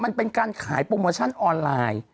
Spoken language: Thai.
มันเป็นการขายโปรโมชั่นออนไลน์